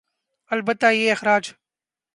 البتہ یہ اخراج